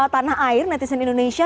tanah air netizen indonesia